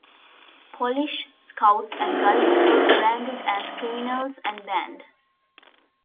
Polish Scouts and Guides were branded as criminals and banned.